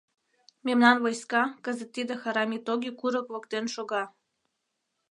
Мемнан войска кызыт тиде Харамитоги курык воктен шога.